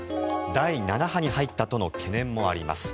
第７波に入ったとの懸念もあります。